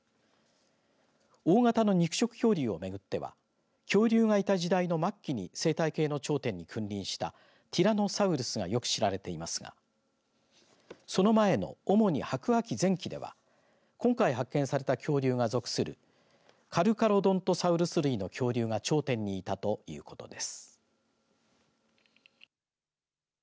大型の肉食恐竜をめぐっては恐竜がいた時代の末期に生態系の頂点に君臨したティラノサウルスがよく知られていますがその前の主に白亜紀前期では今回発見された恐竜が属するカルカロドントサウルス類の恐竜が頂点にいたということです。